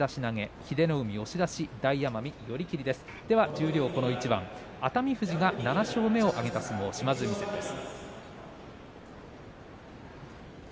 十両この一番熱海富士が７勝目を挙げた相撲です。